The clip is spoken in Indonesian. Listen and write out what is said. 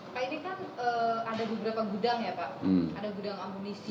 pak ini kan ada beberapa gudang ya pak ada gudang amunisi